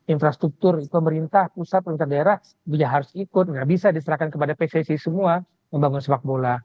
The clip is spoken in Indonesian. infrastruktur pemerintah pusat pemerintah daerah juga harus ikut bisa diserahkan kepada pssi semua membangun sepak bola